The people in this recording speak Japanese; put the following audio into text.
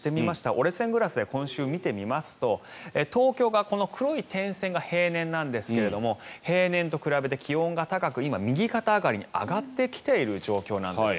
折れ線グラフで今週、見てみますと東京がこの黒い点線が例年なんですが平年と比べて気温が高く今、右肩上がりに上がってきている状況なんです。